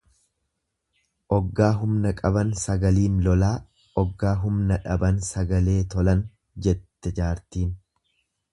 Oggaa humna qaban sagaliin lolaa oggaa humna dhaban sagalee tolan jette jaartiin.